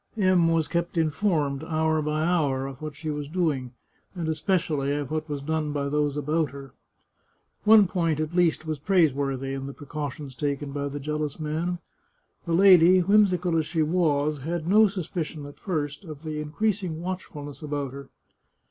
M was kept informed, hour by hour, of what she was doing, and especially of what was done by those about her. One point, at least, was praiseworthy, in the precautions taken by the jealous man — the lady, whimsical as she was, had no suspicion, at first, of the increasing watchfulness about her.